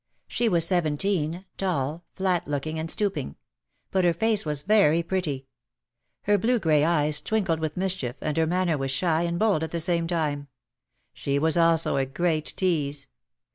She was seventeen, tall, flat looking and stoop ing. But her face was very pretty. Her blue grey eyes twinkled with mischief and her manner was shy and bold at the same time. She was also a great tease.